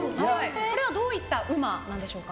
これはどういったうま、なんでしょうか？